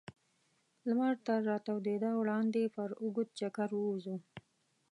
لمر تر راتودېدا وړاندې پر اوږد چکر ووځو.